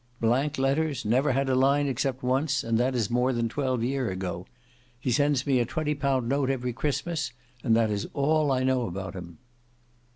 "Blank letters; never had a line except once, and that is more than twelve year ago. He sends me a twenty pound note every Christmas; and that is all I know about him."